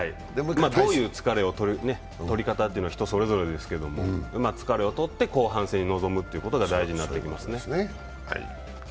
疲れの取り方というのは人それぞれですけれども疲れをとって後半戦に臨むっていうことが大事になってきますね。